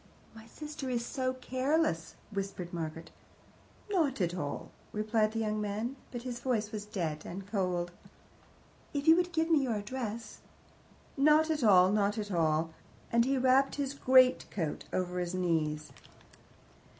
"My sister is so careless," whispered Margaret. "Not at all," replied the young man; but his voice was dead and cold. "If you would give me your address " "Oh, not at all, not at all;" and he wrapped his greatcoat over his knees.